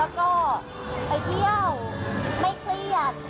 แล้วก็ไปเที่ยวไม่เครียด